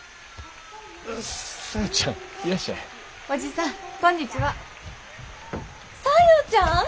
おじさん。